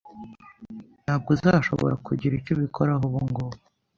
Ntabwo uzashobora kugira icyo ubikoraho ubungubu